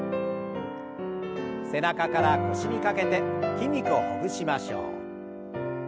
背中から腰にかけて筋肉をほぐしましょう。